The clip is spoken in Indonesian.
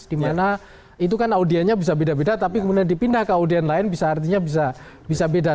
dimana itu kan audiennya bisa beda beda tapi kemudian dipindah ke audien lain bisa artinya bisa beda